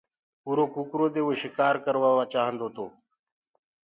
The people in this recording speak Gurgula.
اُرو ڪٚڪَرو دي وو شڪآر ڪروآوو چآهندو تو۔